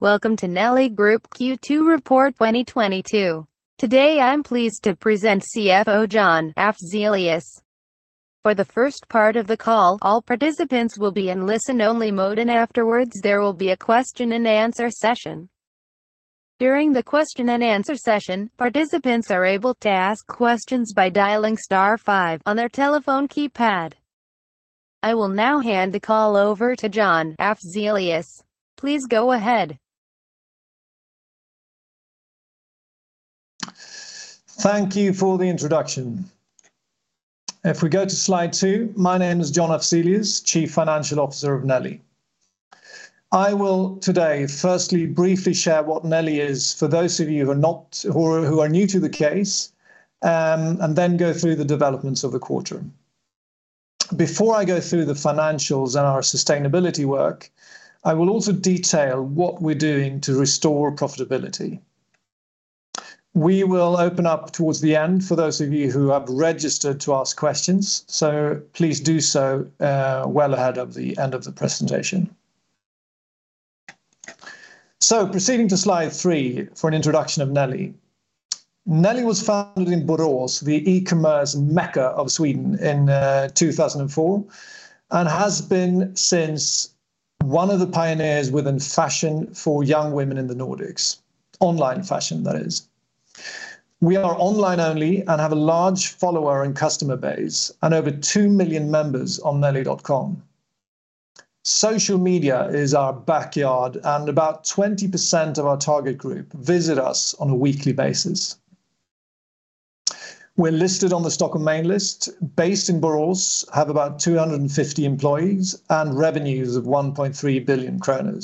Welcome to Nelly Group Q2 report 2022. Today, I'm pleased to present CFO John Afzelius-Jenevall. For the first part of the call, all participants will be in listen-only mode, and afterwards there will be a question and answer session. During the question and answer session, participants are able to ask questions by dialing star five on their telephone keypad. I will now hand the call over to John Afzelius. Please go ahead. Thank you for the introduction. If we go to slide two, my name is John Afzelius, Chief Financial Officer of Nelly. I will today firstly briefly share what Nelly is for those of you who are new to the case, and then go through the developments of the quarter. Before I go through the financials and our sustainability work, I will also detail what we're doing to restore profitability. We will open up towards the end for those of you who have registered to ask questions, so please do so, well ahead of the end of the presentation. Proceeding to slide three for an introduction of Nelly. Nelly was founded in Borås, the e-commerce mecca of Sweden, in 2004 and has been since one of the pioneers within fashion for young women in the Nordics, online fashion, that is. We are online only and have a large follower and customer base and over two million members on Nelly. Social media is our backyard, and about 20% of our target group visit us on a weekly basis. We're listed on the Stockholm main list based in Borås, have about 250 employees and revenues of 1.3 billion kronor.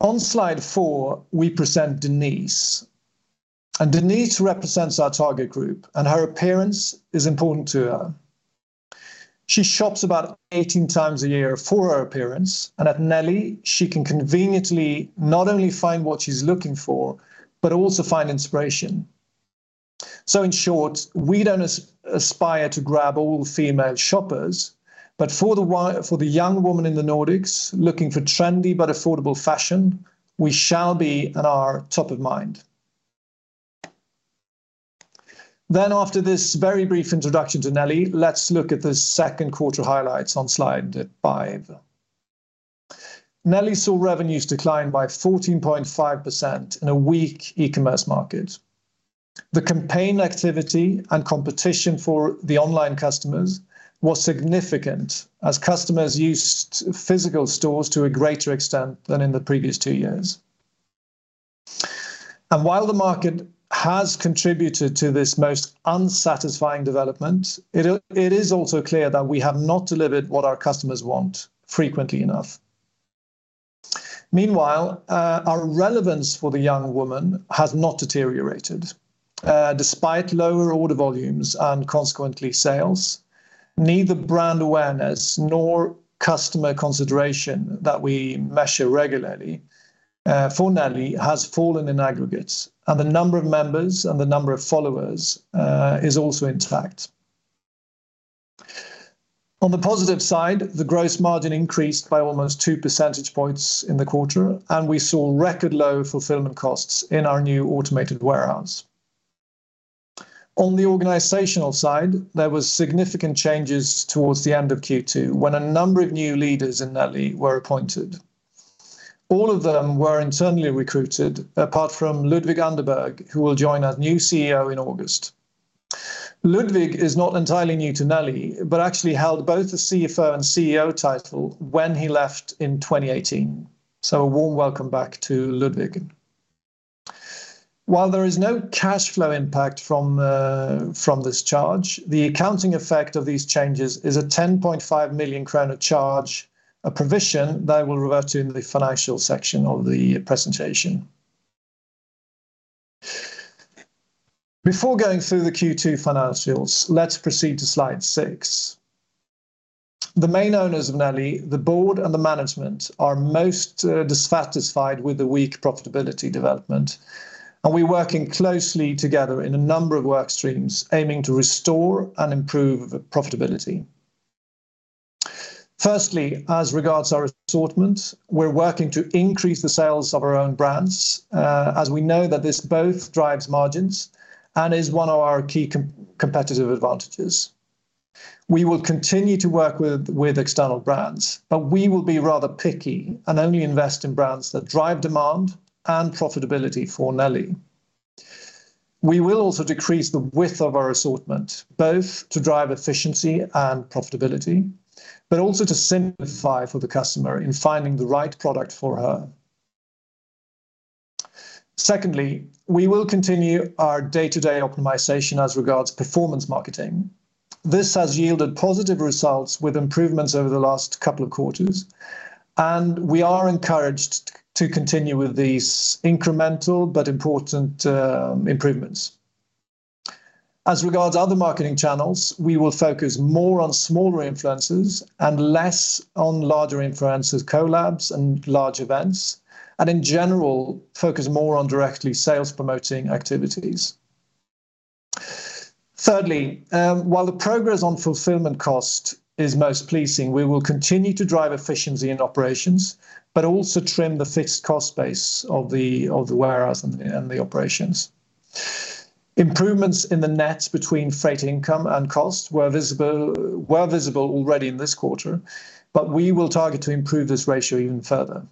On slide four, we present Denise. Denise represents our target group, and her appearance is important to her. She shops about 18 times a year for her appearance, and at Nelly, she can conveniently not only find what she's looking for but also find inspiration. In short, we don't aspire to grab all female shoppers, but for the young woman in the Nordics looking for trendy but affordable fashion, we shall be at our top of mind. After this very brief introduction to Nelly, let's look at the second quarter highlights on slide five. Nelly saw revenues decline by 14.5% in a weak e-commerce market. The campaign activity and competition for the online customers was significant as customers used physical stores to a greater extent than in the previous two years. While the market has contributed to this most unsatisfying development, it is also clear that we have not delivered what our customers want frequently enough. Meanwhile, our relevance for the young woman has not deteriorated. Despite lower order volumes and consequently sales, neither brand awareness nor customer consideration that we measure regularly, for Nelly has fallen in aggregate, and the number of members and the number of followers, is also intact. On the positive side, the gross margin increased by almost 2 percentage points in the quarter, and we saw record low fulfillment costs in our new automated warehouse. On the organizational side, there was significant changes towards the end of Q2 when a number of new leaders in Nelly were appointed. All of them were internally recruited, apart from Ludvig Anderberg, who will join as new CEO in August. Ludvig is not entirely new to Nelly but actually held both the CFO and CEO title when he left in 2018. A warm welcome back to Ludvig. While there is no cash flow impact from this charge, the accounting effect of these changes is a 10.5 million kronor charge, a provision that I will revert to in the financial section of the presentation. Before going through the Q2 financials, let's proceed to slide six. The main owners of Nelly, the board, and the management are most dissatisfied with the weak profitability development, and we're working closely together in a number of work streams aiming to restore and improve profitability. Firstly, as regards our assortment, we're working to increase the sales of our own brands, as we know that this both drives margins and is one of our key competitive advantages. We will continue to work with external brands, but we will be rather picky and only invest in brands that drive demand and profitability for Nelly. We will also decrease the width of our assortment, both to drive efficiency and profitability, but also to simplify for the customer in finding the right product for her. Secondly, we will continue our day-to-day optimization as regards performance marketing. This has yielded positive results with improvements over the last couple of quarters, and we are encouraged to continue with these incremental but important improvements. As regards other marketing channels, we will focus more on smaller influencers and less on larger influencers, collabs, and large events, and in general, focus more on directly sales promoting activities. Thirdly, while the progress on fulfillment cost is most pleasing, we will continue to drive efficiency in operations but also trim the fixed cost base of the warehouse and the operations. Improvements in the net between freight income and cost were visible already in this quarter, but we will target to improve this ratio even further.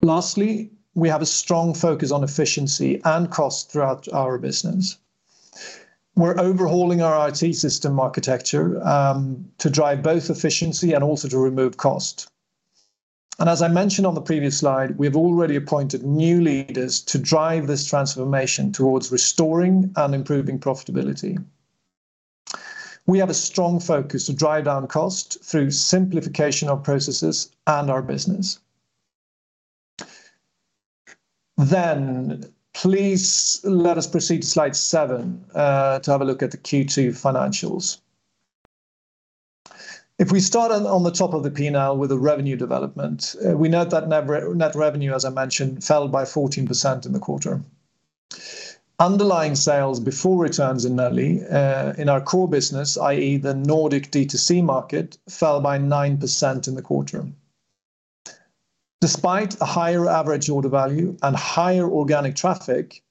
Lastly, we have a strong focus on efficiency and cost throughout our business. We're overhauling our IT system architecture to drive both efficiency and also to remove cost. As I mentioned on the previous slide, we have already appointed new leaders to drive this transformation towards restoring and improving profitability. We have a strong focus to drive down cost through simplification of processes and our business. Please let us proceed to slide seven to have a look at the Q2 financials. If we start on the top of the P&L with the revenue development, we note that net revenue, as I mentioned, fell by 14% in the quarter. Underlying sales before returns in Nelly, in our core business, i.e. the Nordic D2C market, fell by 9% in the quarter. Despite a higher average order value and higher organic traffic,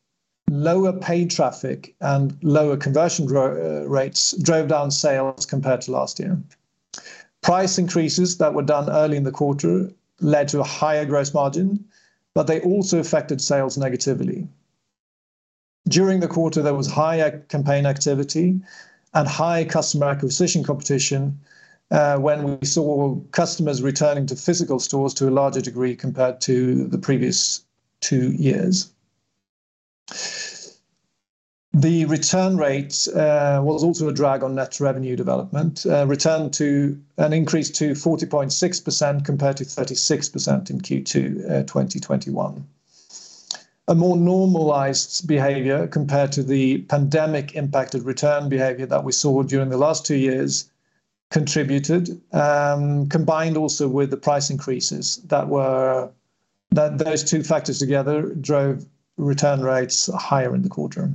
lower paid traffic and lower conversion growth rates drove down sales compared to last year. Price increases that were done early in the quarter led to a higher gross margin, but they also affected sales negatively. During the quarter, there was high campaign activity and high customer acquisition competition, when we saw customers returning to physical stores to a larger degree compared to the previous two years. The return rates was also a drag on net revenue development, returned to an increase to 40.6% compared to 36% in Q2 2021. A more normalized behavior compared to the pandemic impacted return behavior that we saw during the last two years contributed, combined also with the price increases. Those two factors together drove return rates higher in the quarter.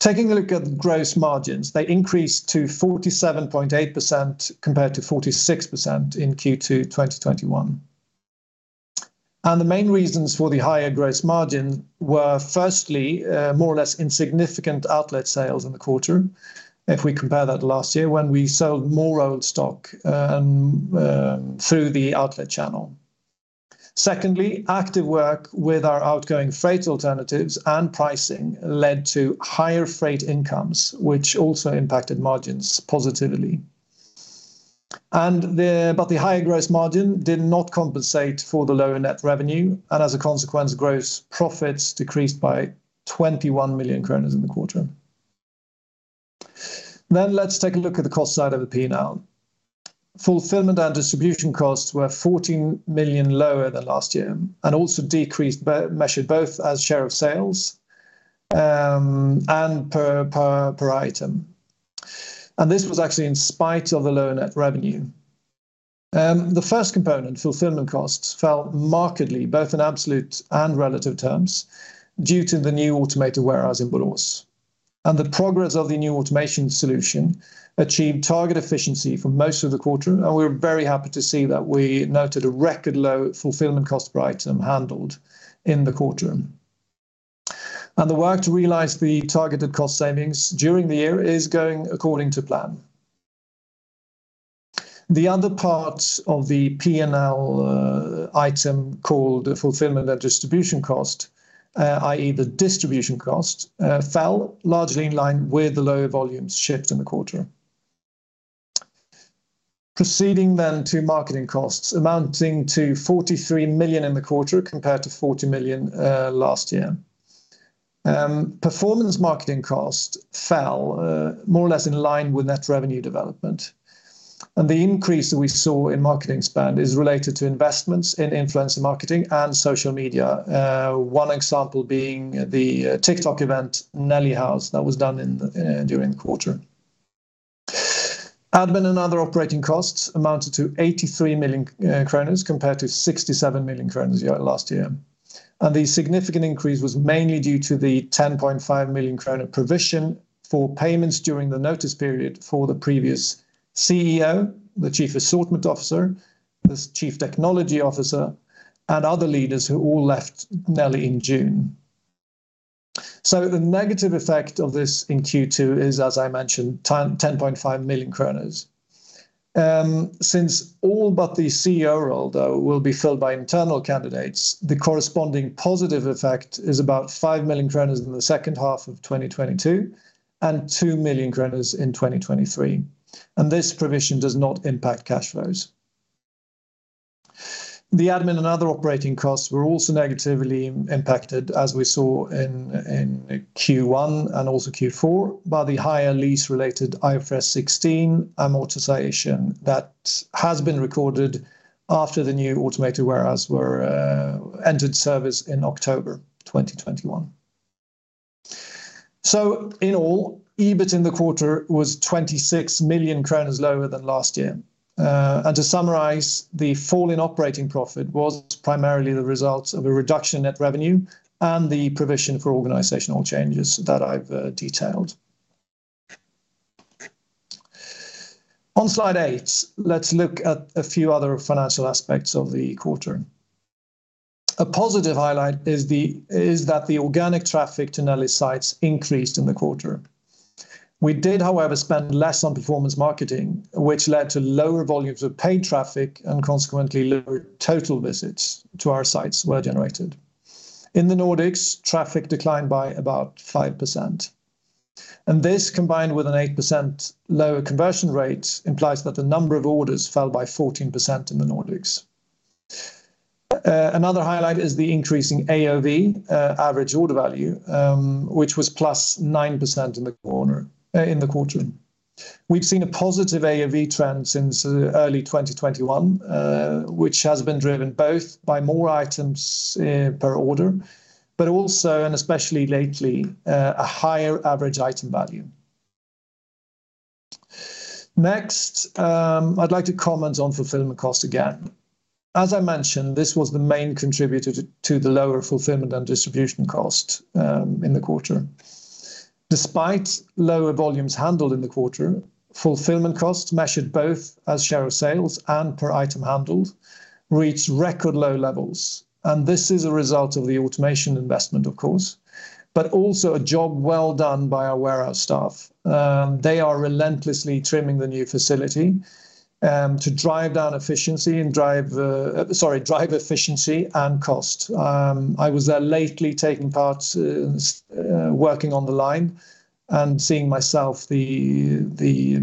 Taking a look at the gross margins, they increased to 47.8% compared to 46% in Q2 2021. The main reasons for the higher gross margin were firstly, more or less insignificant outlet sales in the quarter. If we compare that to last year when we sold more old stock through the outlet channel. Secondly, active work with our outgoing freight alternatives and pricing led to higher freight incomes, which also impacted margins positively. The higher gross margin did not compensate for the lower net revenue, and as a consequence, gross profits decreased by 21 million kronor in the quarter. Let's take a look at the cost side of the P&L. Fulfillment and distribution costs were 14 million lower than last year and also decreased, both measured as share of sales and per item. This was actually in spite of the lower net revenue. The first component, fulfillment costs, fell markedly both in absolute and relative terms due to the new automated warehouse in Bålsta. The progress of the new automation solution achieved target efficiency for most of the quarter, and we're very happy to see that we noted a record low fulfillment cost per item handled in the quarter. The work to realize the targeted cost savings during the year is going according to plan. The other part of the P&L, item called the fulfillment and distribution cost, i.e. the distribution cost, fell largely in line with the lower volumes shipped in the quarter. Proceeding to marketing costs amounting to 43 million in the quarter compared to 40 million last year. Performance marketing cost fell, more or less in line with net revenue development. The increase that we saw in marketing spend is related to investments in influencer marketing and social media. One example being the TikTok event, Nelly House, that was done during the quarter. Admin and other operating costs amounted to 83 million kronor compared to 67 million kronor last year. The significant increase was mainly due to the 10.5 million kronor provision for payments during the notice period for the previous CEO, the Chief Assortment Officer, the Chief Technology Officer, and other leaders who all left Nelly in June. The negative effect of this in Q2 is, as I mentioned, 10.5 million kronor. Since all but the CEO role, though, will be filled by internal candidates, the corresponding positive effect is about 5 million kronor in the H2 of 2022 and 2 million kronor in 2023. This provision does not impact cash flows. The admin and other operating costs were also negatively impacted, as we saw in Q1 and also Q4, by the higher lease related IFRS 16 amortization that has been recorded after the new automated warehouse were entered service in October 2021. In all, EBIT in the quarter was 26 million kronor lower than last year. To summarize, the fall in operating profit was primarily the result of a reduction in net revenue and the provision for organizational changes that I've detailed. On slide eight, let's look at a few other financial aspects of the quarter. A positive highlight is that the organic traffic to Nelly sites increased in the quarter. We did, however, spend less on performance marketing, which led to lower volumes of paid traffic and consequently lower total visits to our sites were generated. In the Nordics, traffic declined by about 5%, and this, combined with an 8% lower conversion rate, implies that the number of orders fell by 14% in the Nordics. Another highlight is the increasing AOV, average order value, which was +9% in the quarter. We've seen a positive AOV trend since early 2021, which has been driven both by more items per order but also, and especially lately, a higher average item value. Next, I'd like to comment on fulfillment cost again. As I mentioned, this was the main contributor to the lower fulfillment and distribution cost in the quarter. Despite lower volumes handled in the quarter, fulfillment costs measured both as share of sales and per item handled reached record low levels, and this is a result of the automation investment, of course, but also a job well done by our warehouse staff. They are relentlessly trimming the new facility to drive efficiency and cost. I was there lately taking part in working on the line and seeing myself the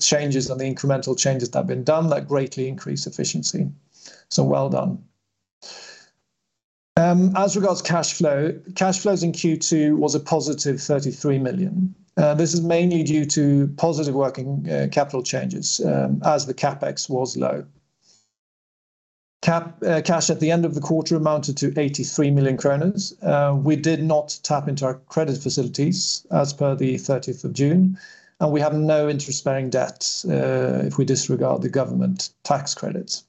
changes and the incremental changes that have been done that greatly increase efficiency. Well done. Cash flows in Q2 was a positive 33 million. This is mainly due to positive working capital changes as the CapEx was low. Cash at the end of the quarter amounted to 83 million kronor. We did not tap into our credit facilities as per the 30th of June, and we have no interest-bearing debt if we disregard the government tax credits.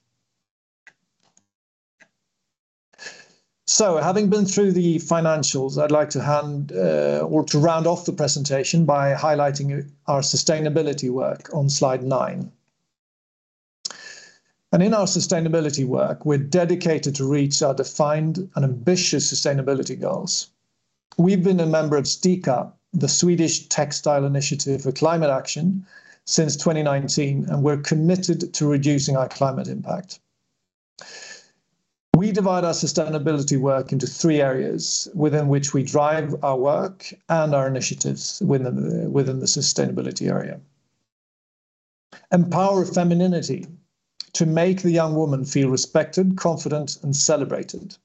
Having been through the financials, I'd like to hand or to round off the presentation by highlighting our sustainability work on slide nine. In our sustainability work, we're dedicated to reach our defined and ambitious sustainability goals. We've been a member of STICA, the Swedish Textile Initiative for Climate Action, since 2019, and we're committed to reducing our climate impact. We divide our sustainability work into three areas within which we drive our work and our initiatives within the sustainability area. Empower femininity to make the young woman feel respected, confident, and celebrated.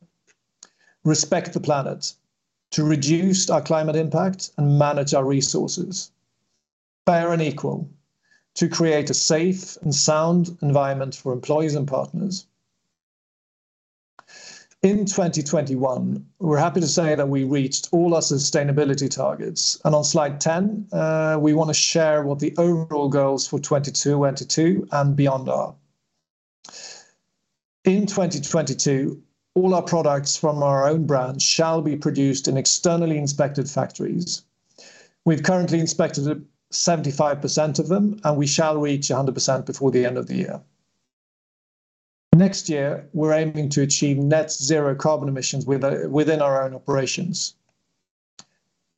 Respect the planet to reduce our climate impact and manage our resources. Fair and equal to create a safe and sound environment for employees and partners. In 2021, we're happy to say that we reached all our sustainability targets. On slide 10, we wanna share what the overall goals for 2022 and beyond are. In 2022, all our products from our own brand shall be produced in externally inspected factories. We've currently inspected 75% of them, and we shall reach 100% before the end of the year. Next year, we're aiming to achieve net zero carbon emissions within our own operations.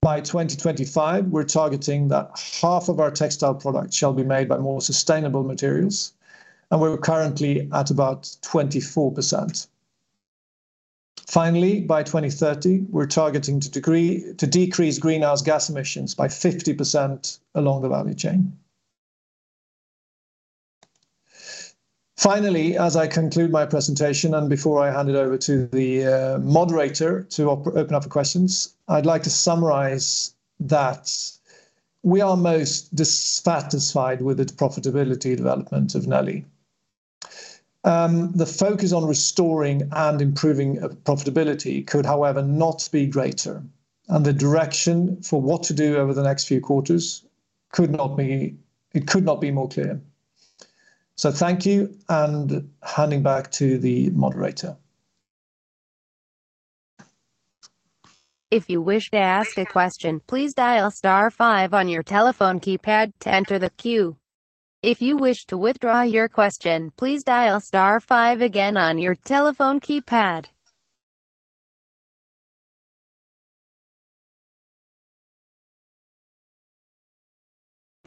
By 2025, we're targeting that half of our textile products shall be made by more sustainable materials, and we're currently at about 24%. Finally, by 2030, we're targeting to decrease greenhouse gas emissions by 50% along the value chain. Finally, as I conclude my presentation and before I hand it over to the moderator to open up for questions, I'd like to summarize that we are most dissatisfied with the profitability development of Nelly. The focus on restoring and improving profitability could, however, not be greater, and the direction for what to do over the next few quarters could not be. It could not be more clear. Thank you, and handing back to the moderator. If you wish to ask a question, please dial star five on your telephone keypad to enter the queue. If you wish to withdraw your question, please dial star five again on your telephone keypad.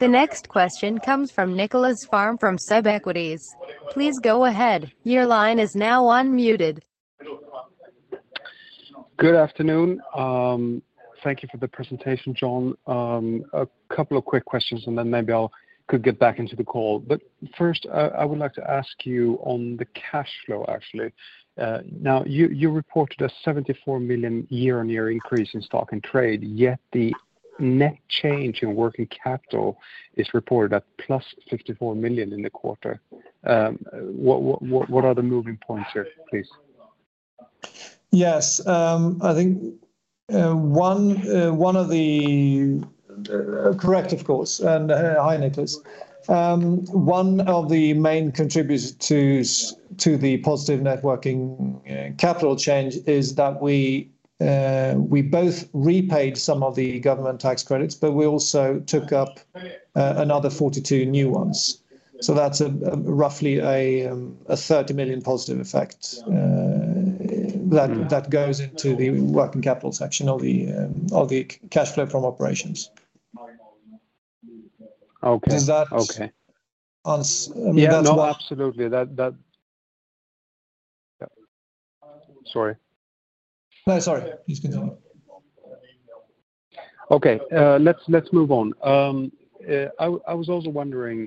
The next question comes from Niklas Lingblom from SEB Equities. Please go ahead. Your line is now unmuted. Good afternoon. Thank you for the presentation, John Afzelius. A couple of quick questions, and then maybe I could get back into the call. First, I would like to ask you on the cash flow, actually. Now you reported a 74 million year-on-year increase in stock and trade, yet the net change in working capital is reported at +54 million in the quarter. What are the moving parts here, please? Yes. I think one of the main contributors to the positive net working capital change is that we both repaid some of the government tax credits, but we also took up another 42 new ones. So that's roughly a 30 million positive effect that goes into the working capital section of the cash flow from operations. Okay. Does that? Okay. I mean, that's what Yeah. No, absolutely. That. Yeah. Sorry. No, sorry. Please continue. Okay. Let's move on. I was also wondering.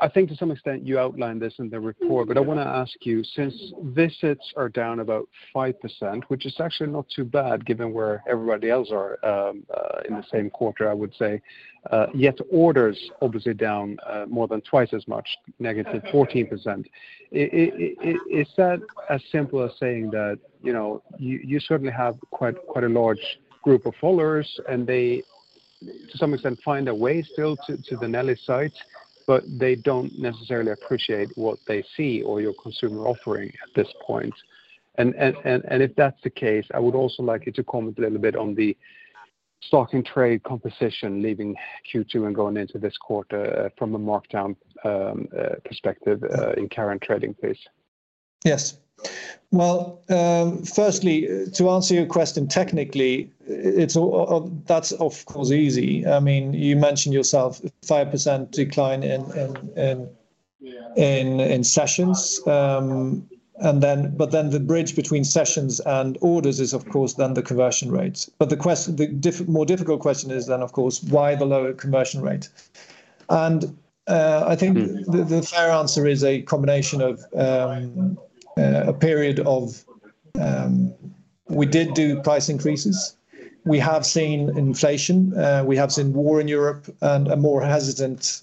I think to some extent you outlined this in the report, but I wanna ask you, since visits are down about 5%, which is actually not too bad given where everybody else are in the same quarter, I would say. Yet orders obviously down more than twice as much, -14%. Is that as simple as saying that, you know, you certainly have quite a large group of followers and they to some extent find a way still to the Nelly site, but they don't necessarily appreciate what they see or your consumer offering at this point? If that's the case, I would also like you to comment a little bit on the stock and trade composition leaving Q2 and going into this quarter, from a markdown perspective, in current trading phase. Yes. Well, firstly, to answer your question technically, that's, of course, easy. I mean, you mentioned yourself 5% decline in sessions. The bridge between sessions and orders is, of course, the conversion rates. The more difficult question is, of course, why the lower conversion rate? I think- Mm-hmm The fair answer is a combination of we did do price increases, we have seen inflation, we have seen war in Europe and a more hesitant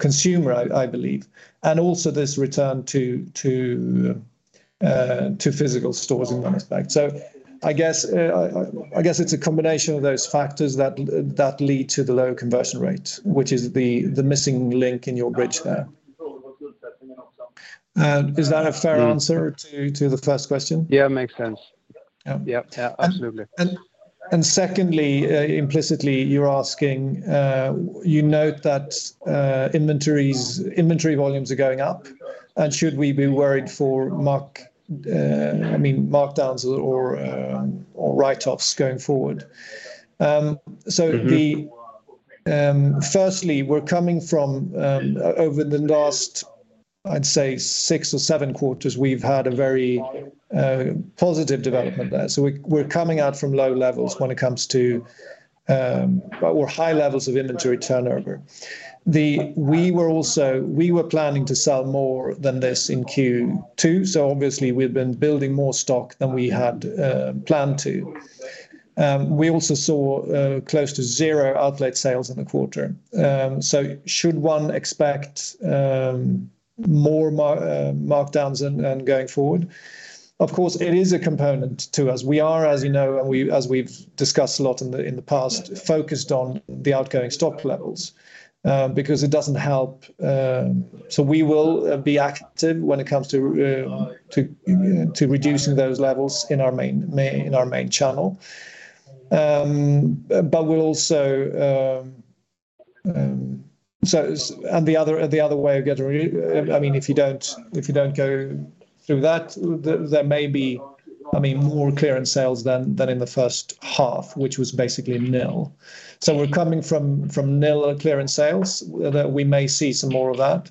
consumer, I believe, and also this return to physical stores in that respect. I guess it's a combination of those factors that lead to the low conversion rate, which is the missing link in your bridge there. Is that a fair answer to the first question? Yeah, it makes sense. Yeah. Yeah. Yeah, absolutely. Second, implicitly, you're asking. You note that inventory volumes are going up, and should we be worried for markdowns or write-offs going forward? Mm-hmm First, we're coming from over the last, I'd say six or seven quarters, we've had a very positive development there. We're coming out from low levels when it comes to or high levels of inventory turnover. We were planning to sell more than this in Q2, so obviously we've been building more stock than we had planned to. We also saw close to zero outlet sales in the quarter. Should one expect more markdowns and going forward? Of course, it is a component to us. We are, as you know, and we've discussed a lot in the past, focused on the outgoing stock levels because it doesn't help. We will be active when it comes to reducing those levels in our main channel. We'll also I mean, if you don't go through that, there may be more clearance sales than in the H1, which was basically nil. We're coming from nil clearance sales. That we may see some more of that.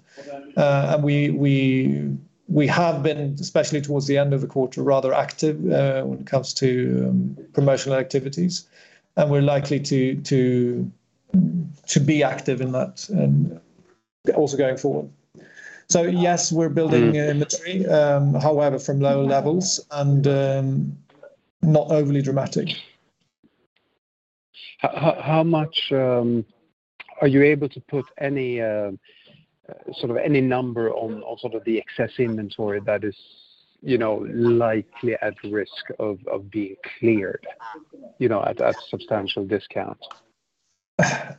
We have been, especially towards the end of the quarter, rather active when it comes to promotional activities, and we're likely to be active in that also going forward. Yes, we're building an inventory, however, from low levels and not overly dramatic. How much are you able to put any sort of any number on sort of the excess inventory that is, you know, likely at risk of being cleared, you know, at substantial discount? No, I mean,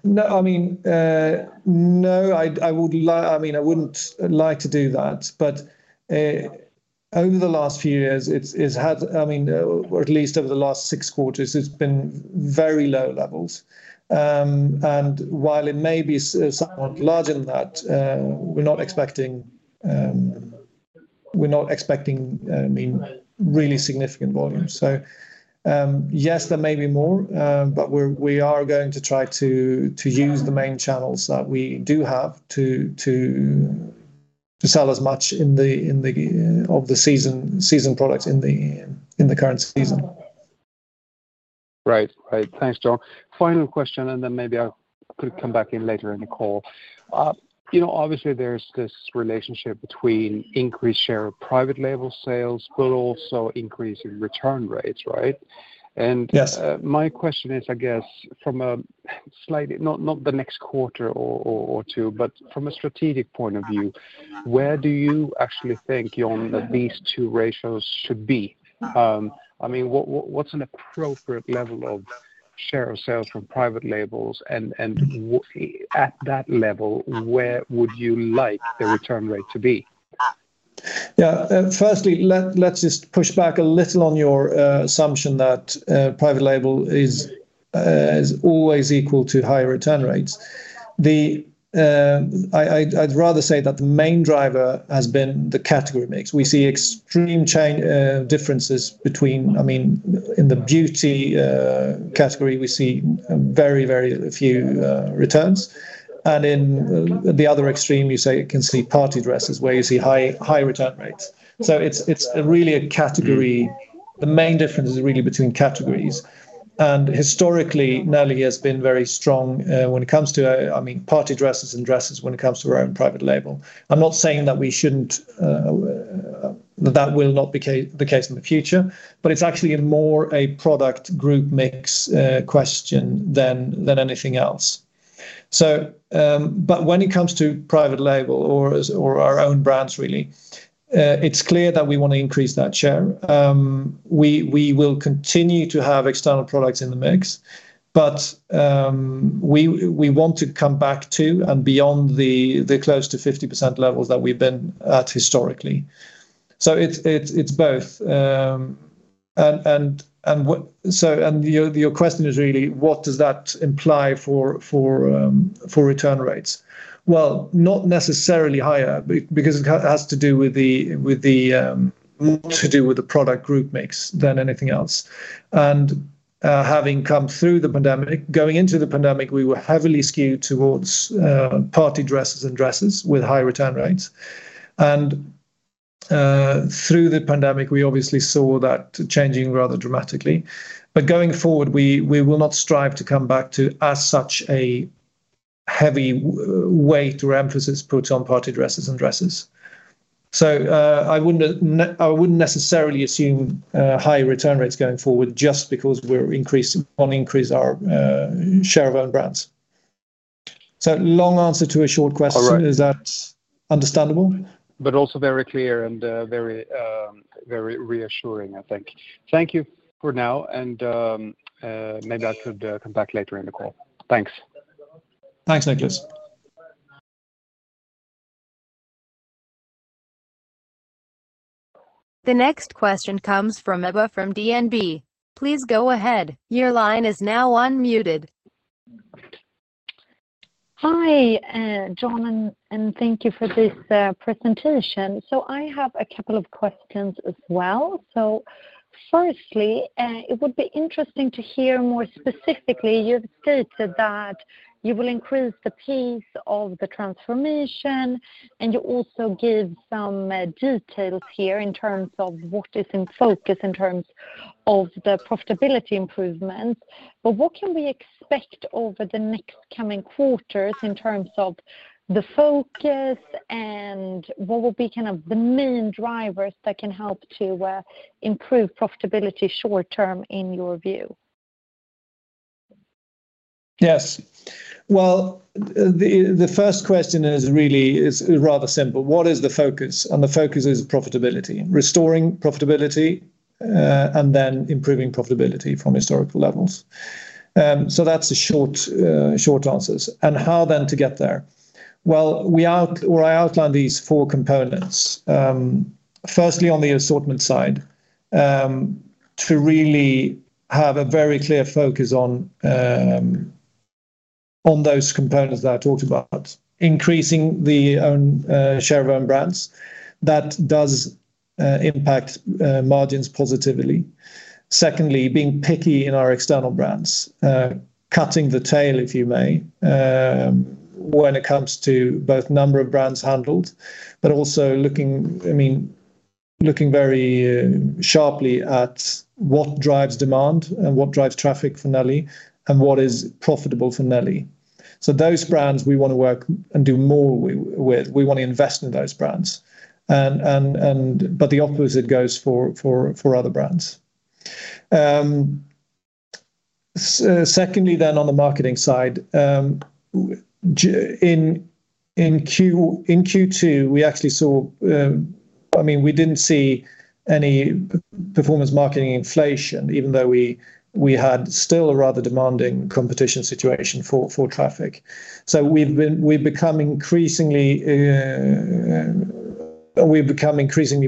no. I mean, I wouldn't like to do that. Over the last few years, it's had, I mean, or at least over the last 6 quarters, it's been very low levels. While it may be somewhat larger than that, we're not expecting, I mean, really significant volumes. Yes, there may be more, but we are going to try to use the main channels that we do have to sell as much of the season products in the current season. Right. Thanks, John. Final question, and then maybe I could come back in later in the call. You know, obviously there's this relationship between increased share of private label sales, but also increase in return rates, right? Yes. My question is, I guess, not the next quarter or two, but from a strategic point of view, where do you actually think, John, that these two ratios should be? I mean, what's an appropriate level of share of sales from private labels and at that level, where would you like the return rate to be? Yeah. First, let's just push back a little on your assumption that private label is always equal to higher return rates. I'd rather say that the main driver has been the category mix. We see extreme differences between, I mean, in the beauty category, we see very, very few returns. In the other extreme, you say, you can see party dresses where you see high return rates. It's really a category. The main difference is really between categories. Historically, Nelly has been very strong when it comes to, I mean, party dresses and dresses when it comes to our own private label. I'm not saying that we shouldn't, that will not be the case in the future, but it's actually more a product group mix question than anything else. When it comes to private label or our own brands, really, it's clear that we want to increase that share. We will continue to have external products in the mix, but we want to come back to and beyond the close to 50% levels that we've been at historically. It's both. Your question is really what does that imply for return rates? Well, not necessarily higher because it has to do with the product group mix than anything else. Having come through the pandemic. Going into the pandemic, we were heavily skewed towards party dresses and dresses with high return rates. Through the pandemic, we obviously saw that changing rather dramatically. Going forward, we will not strive to come back to as such a heavy way to put emphasis on party dresses and dresses. I wouldn't necessarily assume higher return rates going forward just because we wanna increase our share of own brands. Long answer to a short question. All right. Is that understandable? Also very clear and very reassuring, I think. Thank you for now and maybe I should come back later in the call. Thanks. Thanks, Niklas. The next question comes from Ebba from DNB. Please go ahead. Your line is now unmuted. Hi, John, and thank you for this presentation. I have a couple of questions as well. Firstly, it would be interesting to hear more specifically. You've stated that you will increase the pace of the transformation, and you also give some details here in terms of what is in focus in terms of the profitability improvements. What can we expect over the next coming quarters in terms of the focus and what will be kind of the main drivers that can help to improve profitability short term in your view? Yes. Well, the first question is really rather simple. What is the focus? The focus is profitability, restoring profitability, and then improving profitability from historical levels. So that's the short answers. How then to get there? Well, I outlined these four components. Firstly on the assortment side, to really have a very clear focus on those components that I talked about, increasing the own share of own brands, that does impact margins positively. Secondly, being picky in our external brands. Cutting the tail, if you may, when it comes to both number of brands handled, but also looking, I mean, very sharply at what drives demand and what drives traffic for Nelly and what is profitable for Nelly. Those brands we wanna work and do more with, we want to invest in those brands. But the opposite goes for other brands. Secondly on the marketing side, in Q2, we actually saw, I mean, we didn't see any performance marketing inflation even though we still had a rather demanding competition situation for traffic. We've become increasingly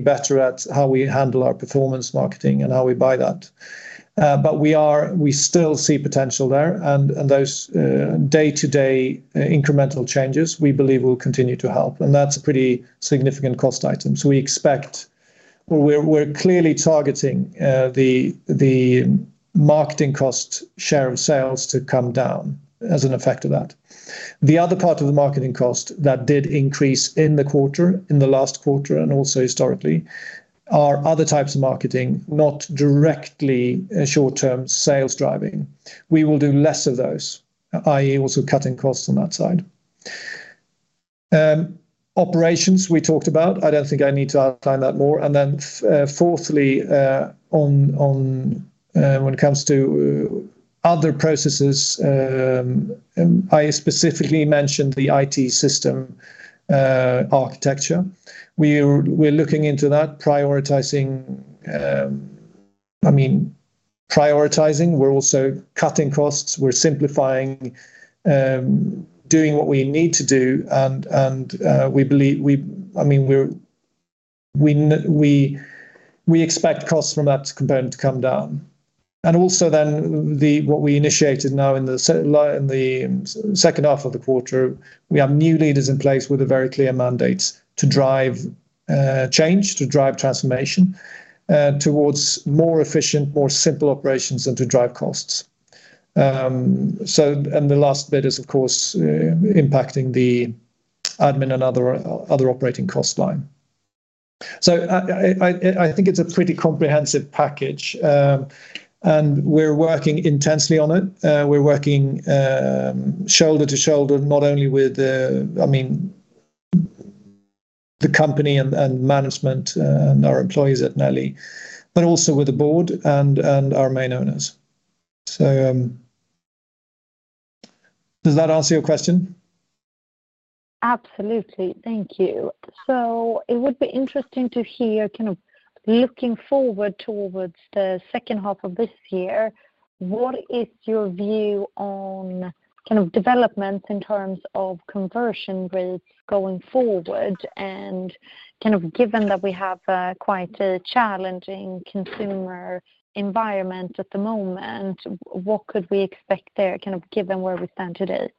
better at how we handle our performance marketing and how we buy that. But we still see potential there and those day-to-day incremental changes we believe will continue to help, and that's a pretty significant cost item. We expect or we're clearly targeting the marketing cost share of sales to come down as an effect of that. The other part of the marketing cost that did increase in the quarter, in the last quarter and also historically, are other types of marketing, not directly short-term sales driving. We will do less of those, i.e., also cutting costs on that side. Operations we talked about. I don't think I need to outline that more. Fourthly, on when it comes to other processes, I specifically mentioned the IT system architecture. We're looking into that, prioritizing. I mean, prioritizing. We're also cutting costs. We're simplifying, doing what we need to do and we expect costs from that component to come down. What we initiated now in the H2 of the quarter, we have new leaders in place with a very clear mandate to drive change, to drive transformation towards more efficient, more simple operations, and to drive costs. The last bit is, of course, impacting the admin and other operating cost line. I think it's a pretty comprehensive package. We're working intensely on it. We're working shoulder to shoulder, not only with the, I mean, the company and management, and our employees at Nelly, but also with the board and our main owners. Does that answer your question? Absolutely. Thank you. It would be interesting to hear kind of looking forward towards the H2 of this year, what is your view on kind of developments in terms of conversion rates going forward? Kind of given that we have quite a challenging consumer environment at the moment, what could we expect there, kind of given where we stand today?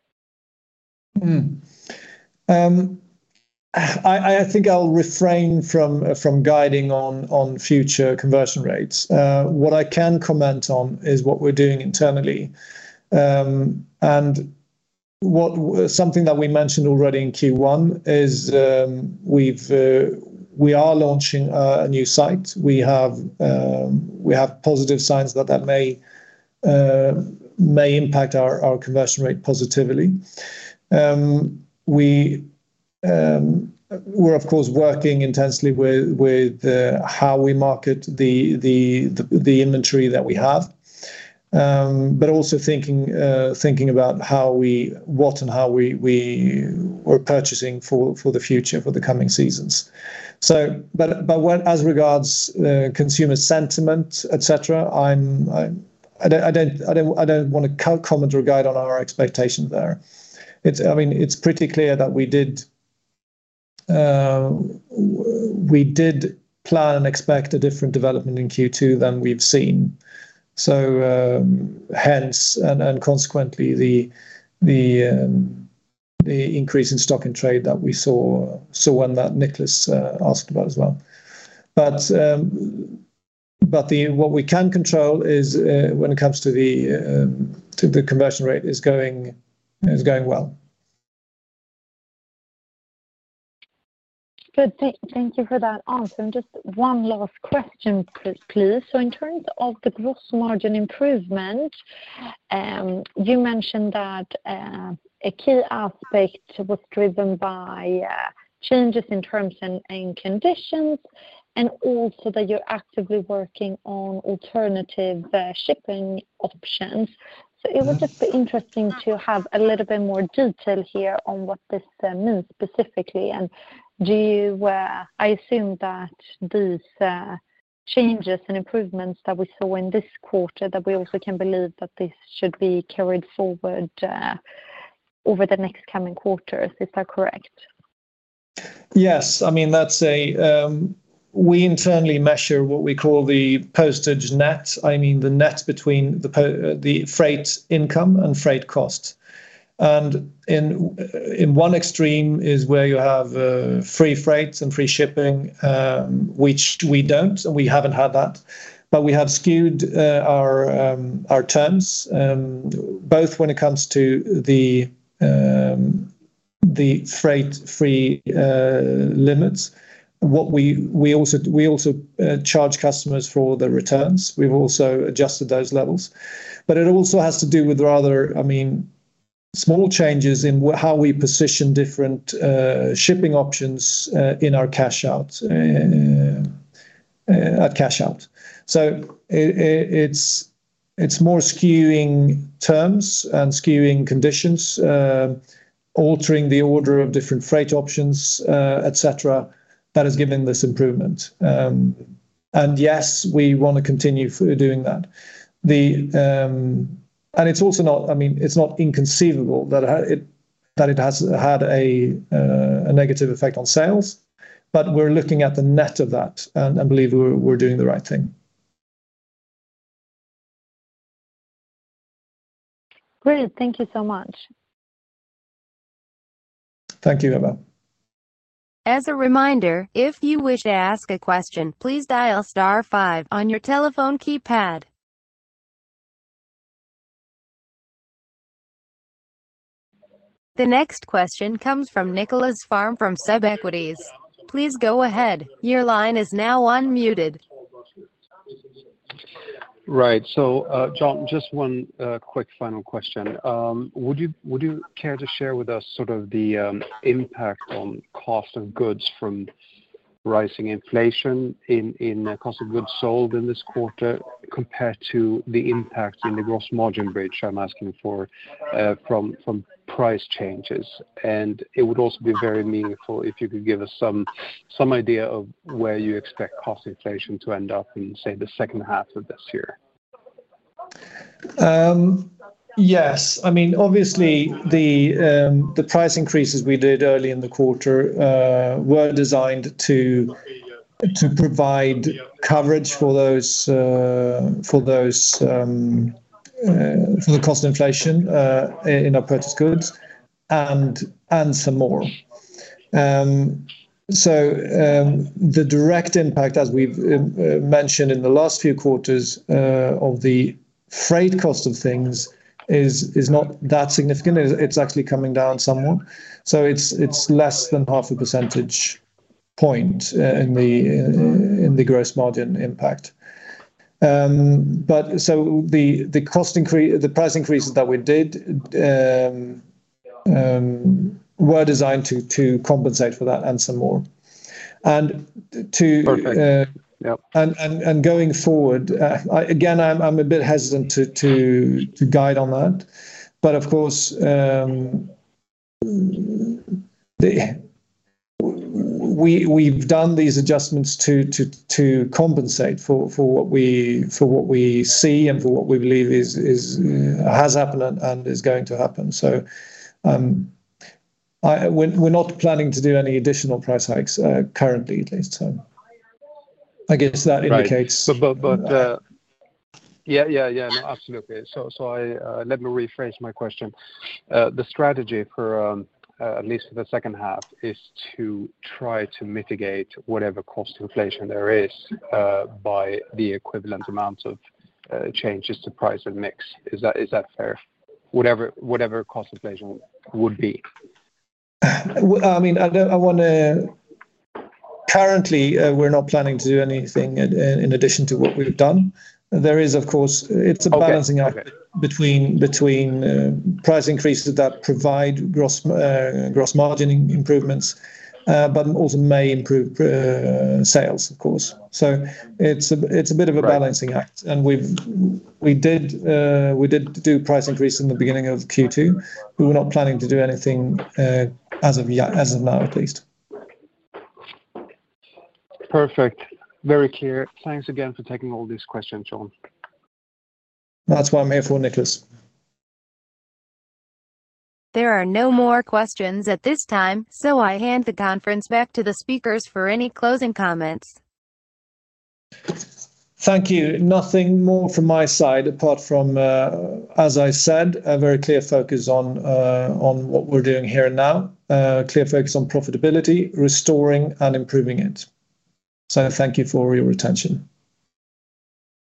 I think I'll refrain from guiding on future conversion rates. What I can comment on is what we're doing internally. Something that we mentioned already in Q1 is we are launching a new site. We have positive signs that may impact our conversion rate positively. We're of course working intensely with how we market the inventory that we have, but also thinking about what and how we are purchasing for the future, for the coming seasons. But as regards consumer sentiment, et cetera, I don't wanna comment or guide on our expectation there. It's, I mean, it's pretty clear that we did we did plan and expect a different development in Q2 than we've seen. Hence, and consequently the increase in stock and trade that we saw and that Niklas asked about as well. What we can control is when it comes to the conversion rate is going well. Good. Thank you for that answer. Just one last question, please. In terms of the gross margin improvement, you mentioned that a key aspect was driven by changes in terms and conditions, and also that you're actively working on alternative shipping options. It would just be interesting to have a little bit more detail here on what this means specifically. I assume that these changes and improvements that we saw in this quarter, that we also can believe that this should be carried forward over the next coming quarters. Is that correct? Yes. I mean, that's a. We internally measure what we call the postage net. I mean, the net between the freight income and freight costs. In one extreme is where you have free freight and free shipping, which we don't. We haven't had that. We have skewed our terms both when it comes to the freight-free limits. We also charge customers for the returns. We've also adjusted those levels. It also has to do with rather, I mean, small changes in how we position different shipping options in our checkout. It's more skewing terms and skewing conditions, altering the order of different freight options, et cetera, that is giving this improvement. Yes, we wanna continue doing that. It's also not, I mean, it's not inconceivable that it has had a negative effect on sales, but we're looking at the net of that and believe we're doing the right thing. Great. Thank you so much. Thank you, Ebba. As a reminder, if you wish to ask a question, please dial star five on your telephone keypad. The next question comes from Niklas Lingblom from SEB Equities. Please go ahead. Your line is now unmuted. Right. So, John, just one quick final question. Would you care to share with us sort of the impact on cost of goods from rising inflation in the cost of goods sold in this quarter compared to the impact in the gross margin bridge I'm asking for from price changes? It would also be very meaningful if you could give us some idea of where you expect cost inflation to end up in, say, the H2 of this year. Yes. I mean, obviously the price increases we did early in the quarter were designed to provide coverage for the cost inflation in our purchased goods and some more. The direct impact as we've mentioned in the last few quarters of the freight cost of things is not that significant. It's actually coming down somewhat, so it's less than half a percentage point in the gross margin impact. The price increases that we did were designed to compensate for that and some more. Perfect. Yep. Going forward, again, I'm a bit hesitant to guide on that. Of course, we've done these adjustments to compensate for what we see and for what we believe is has happened and is going to happen. We're not planning to do any additional price hikes, currently at least. I guess that indicates. Right. Yeah. No, absolutely. I let me rephrase my question. The strategy for at least for the H2 is to try to mitigate whatever cost inflation there is by the equivalent amount of changes to price and mix. Is that fair? Whatever cost inflation would be. I mean, I wanna. Currently, we're not planning to do anything in addition to what we've done. There is of course, it's a balancing act. Okay. Okay Between price increases that provide gross margin improvements, but also may improve sales of course. It's a bit of a balancing act. Right. We did do price increase in the beginning of Q2. We were not planning to do anything, as of yet, as of now at least. Perfect. Very clear. Thanks again for taking all these questions, John. That's what I'm here for, Niklas. There are no more questions at this time, so I hand the conference back to the speakers for any closing comments. Thank you. Nothing more from my side apart from, as I said, a very clear focus on what we're doing here and now. A clear focus on profitability, restoring and improving it. Thank you for your attention.